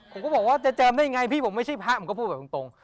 ผมก็บอกว่าจะเจิมได้ยังไงพี่ผมไม่ใช่พระผมก็พูดแบบตรง